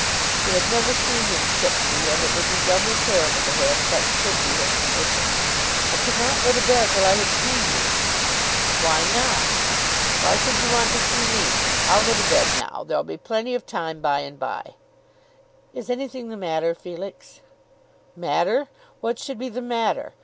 She had never seen him tipsy, and it would be doubly terrible to her if such should be his condition. "I could not go to bed till I had seen you." "Why not? why should you want to see me? I'll go to bed now. There'll be plenty of time by and bye." "Is anything the matter, Felix?" "Matter; what should be the matter?